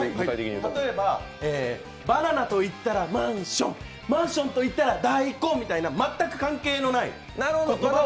例えばバナナといったらマンション、マンションといったら大根、みたいな全く関係のない言葉を。